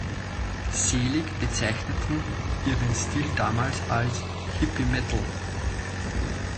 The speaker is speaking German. Selig bezeichneten ihren Stil damals als „Hippie-Metal“.